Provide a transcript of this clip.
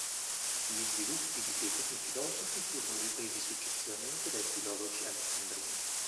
Gli sviluppi di quei primi filosofi furono ripresi successivamente dai filologi alessandrini.